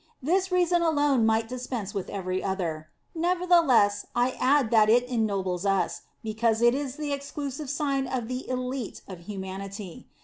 This reason alone might dispense with every other, nevertheless, I add that it ennobles us, because it is the exclusive Sign of the elite of humanity.